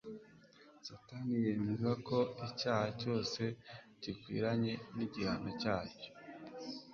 Satani yemeza ko icyaha cyose gikwiranye n'igihano cyacyo;